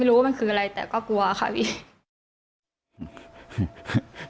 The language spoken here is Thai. รู้ว่ามันคืออะไรแต่ก็กลัวค่ะพี่